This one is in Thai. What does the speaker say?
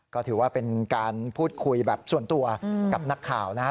ก็ถือว่าเป็นการพูดคุยแบบส่วนตัวกับนักข่าวนะครับ